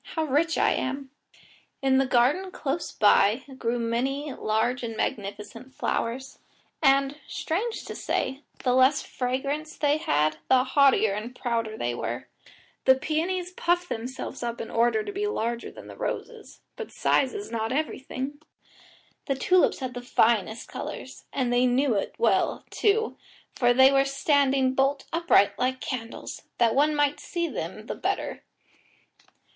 How rich I am!" In the garden close by grew many large and magnificent flowers, and, strange to say, the less fragrance they had the haughtier and prouder they were. The peonies puffed themselves up in order to be larger than the roses, but size is not everything! The tulips had the finest colours, and they knew it well, too, for they were standing bolt upright like candles, that one might see them the better.